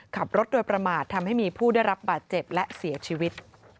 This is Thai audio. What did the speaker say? ขับรถโดยประมาททำให้มีผู้ได้รับบาดเจ็บและเสียชีวิต